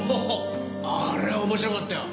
あれは面白かったよ。